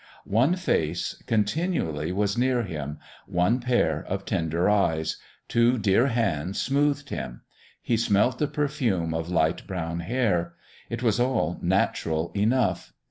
One face continually was near him; one pair of tender eyes; two dear hands smoothed him; he smelt the perfume of light brown hair. It was all natural enough.